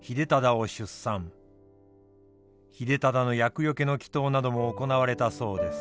秀忠の厄よけの祈とうなども行われたそうです。